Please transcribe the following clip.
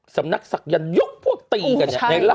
สำนักสักยันยกพวกตีกันไงแหละ